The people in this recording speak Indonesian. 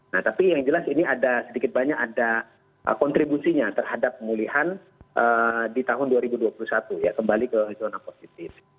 nah tapi yang jelas ini ada sedikit banyak ada kontribusinya terhadap pemulihan di tahun dua ribu dua puluh satu ya kembali ke zona positif